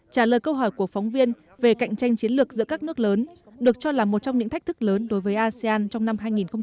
trả lời câu hỏi của phóng viên về cạnh tranh chiến lược giữa các nước lớn được cho là một trong những thách thức lớn đối với asean trong năm hai nghìn hai mươi